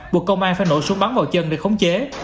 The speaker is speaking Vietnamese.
buộc công an phải nổ súng bắn vào chân để khống chế